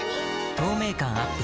透明感アップ